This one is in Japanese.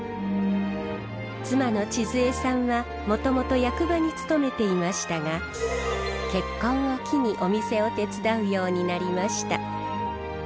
妻の知津恵さんはもともと役場に勤めていましたが結婚を機にお店を手伝うようになりました。